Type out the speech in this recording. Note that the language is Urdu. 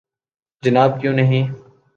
جناب کیوں نہیں